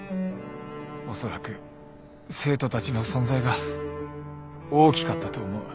おそらく生徒たちの存在が大きかったと思う。